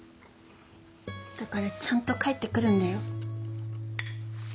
だからちゃんと帰って来るんだよ？